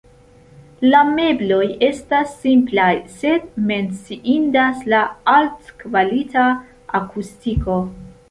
La mebloj estas simplaj, sed menciindas la altkvalita akustiko.